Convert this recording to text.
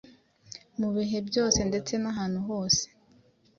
Mu bihe byose ndetse n’ahantu hose,